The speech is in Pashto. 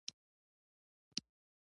هیواد لکه مور مهربانه دی